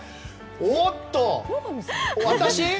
おっと、私？